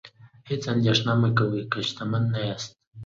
هیڅ اندیښنه مه کوئ که شتمن نه یاست.